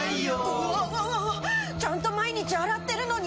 うわわわわちゃんと毎日洗ってるのに。